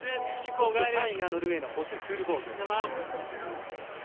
３位がノルウェーのフォススールボーグ